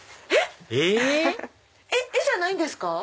え⁉絵じゃないんですか？